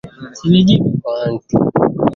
isimila ni kivutio kinachopatikana mkoa wa iringa